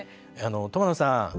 苫野さん